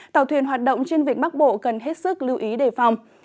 tàu thuyền hoạt động trên vịnh bắc bộ cần hết sức lưu ý đề phòng